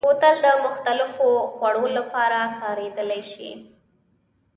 بوتل د مختلفو خوړو لپاره کارېدلی شي.